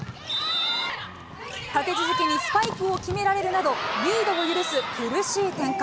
立て続けにスパイクを決められるなど、リードを許す苦しい展開。